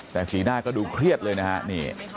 แต่สีหน้าก็ดูเครียดเลยนะฮะนี่